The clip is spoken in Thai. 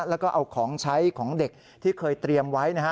แล้วก็เอาของใช้ของเด็กที่เคยเตรียมไว้นะฮะ